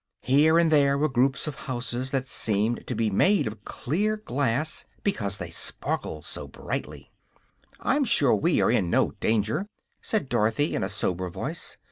Here and there were groups of houses that seemed made of clear glass, because they sparkled so brightly. "I'm sure we are in no danger," said Dorothy, in a sober voice.